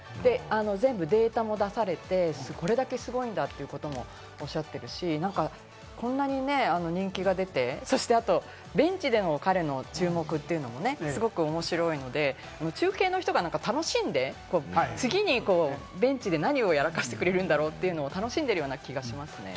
全部データも出されて、これだけすごいんだってこともおっしゃってるし、こんなに人気が出て、そしてベンチでの彼の注目というのもすごく面白いので、中継の人が楽しんで、次にベンチで何をやらかしてくれるんだろう？というのを楽しんでるような気がします。